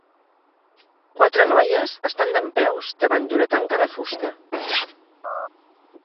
Quatre noies estan dempeus davant d'una tanca de fusta.